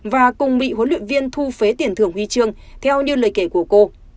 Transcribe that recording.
và cùng bị huấn luyện viên thu phế tiền thưởng huy chương theo như lời kể của cô